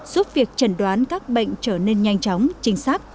giúp việc chẩn đoán các bệnh trở nên nhanh chóng chính xác